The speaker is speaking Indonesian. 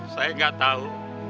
saya gak tahu